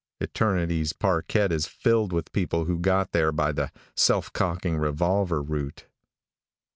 Eternity's parquette is filled with people who got there by the self cocking revolver route.